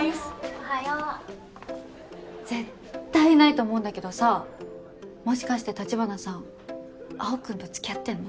おはよう。絶対ないと思うんだけどさもしかして橘さん青君と付き合ってんの？